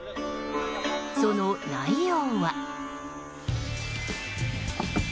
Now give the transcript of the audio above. その内容は。